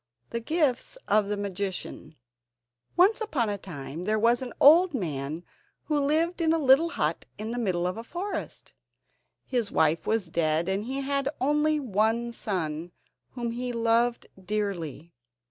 ] The Gifts Of The Magician Once upon a time there was an old man who lived in a little hut in the middle of a forest. His wife was dead, and he had only one son, whom he loved dearly.